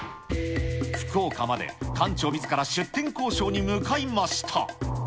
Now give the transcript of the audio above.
福岡まで館長みずから出店交渉に向かいました。